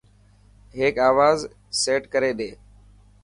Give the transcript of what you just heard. هڪ آواز سيٽ ڪري ڏي.